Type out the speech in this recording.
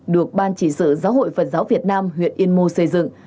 được ban chỉ sự giáo hội phật giáo việt nam huyện yên mô xây dựng